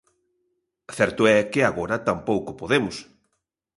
Certo é que agora tampouco podemos.